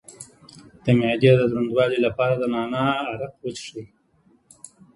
د معدې د دروندوالي لپاره د نعناع عرق وڅښئ